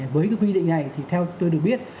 với quy định này thì theo tôi được biết